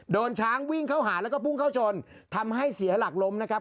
โดนช้างวิ่งเข้าหาแล้วก็พุ่งเข้าชนทำให้เสียหลักล้มนะครับ